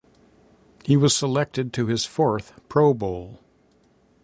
He was selected to his fourth Pro Bowl.